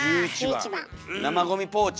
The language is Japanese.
生ゴミポーチ。